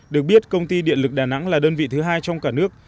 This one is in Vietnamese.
được biết công ty điện lực đà nẵng là đơn vị thứ hai trong cả nước